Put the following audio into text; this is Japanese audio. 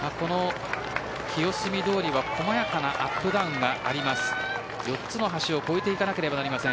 清澄通りは細やかなアップダウンがあります。